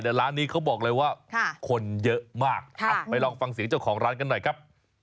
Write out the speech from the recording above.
แต่ร้านนี้เขาบอกเลยว่าคนเยอะมากไปลองฟังเสียงเจ้าของร้านกันหน่อยครับ